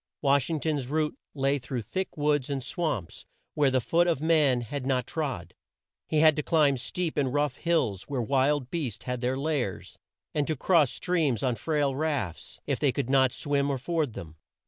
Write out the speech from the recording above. Wash ing ton's route lay through thick woods and swamps where the foot of man had not trod; he had to climb steep and rough hills where wild beasts had their lairs; and to cross streams on frail rafts, if they could not swim or ford them.